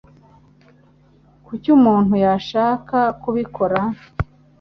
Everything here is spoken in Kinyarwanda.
Kuki umuntu yashaka kubikora?